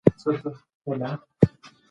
شاعر خپل فکر په شعر کې بیانوي.